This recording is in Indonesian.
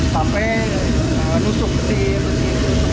sampai nusuk ke tim